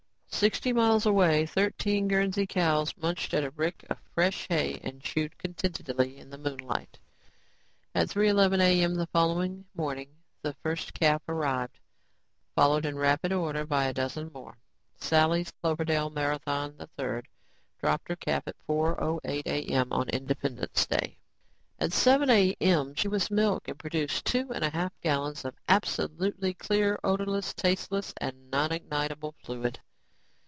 Sixty miles away, thirteen Guernsey cows munched at a rick of fresh hay and chewed contentedly in the moonlight. At 3:11 a.m., the following morning the first calf arrived, followed in rapid order by a dozen more. Sally's Cloverdale Marathon III dropped her calf at 4:08 a.m. on Independence Day. At 7:00 a.m., she was milked and produced two and a half gallons of absolutely clear, odorless, tasteless and non ignitable fluid.